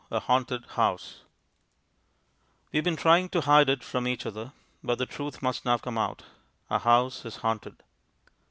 A Haunted House We have been trying to hide it from each other, but the truth must now come out. Our house is haunted.